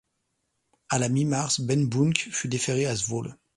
À la mi-mars, Ben Buunk fut déféré à Zwolle.